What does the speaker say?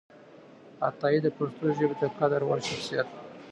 عطایي د پښتو ژبې د قدر وړ شخصیت و